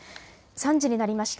３時になりました。